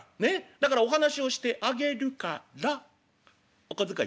だからお話しをしてあげるからお小遣い頂戴」。